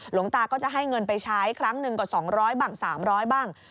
หลวงตาก็จะให้เงินไปใช้ครั้งหนึ่งกว่า๒๐๐บ้าง๓๐๐บ้าง